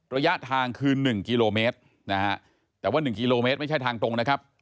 ระยะทางคือ๑กิโลเมตรนะฮะแต่ว่า๑กิโลเมตรไม่ใช่ทางตรงนะครับ